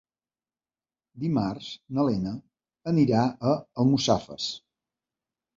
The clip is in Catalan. Dimarts na Lena anirà a Almussafes.